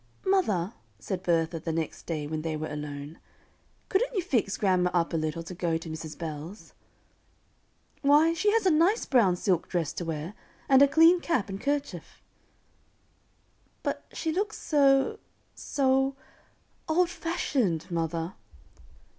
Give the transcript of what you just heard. "Mother," said Bertha, the next day, when they were alone; "couldn't you fix grandma up a little to go to Mrs. Bell's?" "Why, she has a nice brown silk dress to wear, and a clean cap and kerchief." "But she looks so so old fashioned, mother."